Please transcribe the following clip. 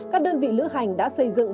các đơn vị lữ hành đã xây dựng